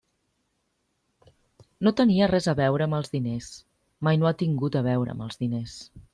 No tenia res a veure amb els diners, mai no ha tingut a veure amb els diners.